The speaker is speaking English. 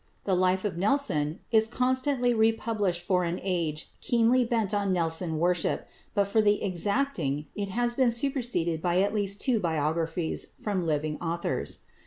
The "Life of Nelson" is constantly republished for an age keenly bent on Nelson worship, but for the exacting it has been superseded by at least two biographies from living authors.